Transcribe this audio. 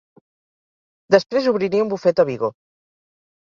Després obriria un bufet a Vigo.